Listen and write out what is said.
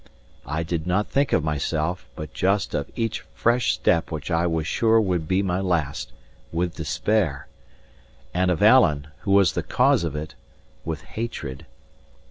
I did not think of myself, but just of each fresh step which I was sure would be my last, with despair and of Alan, who was the cause of it, with hatred.